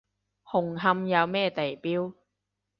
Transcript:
紅磡有咩地標？